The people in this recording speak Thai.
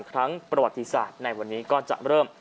ครั้งประวัติศาสตร์ในวันนี้ก็จะเริ่ม